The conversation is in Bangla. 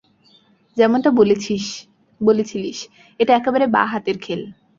যেমনটা বলেছিলিস, এটা একেবারে বাঁ-হাতের খেল।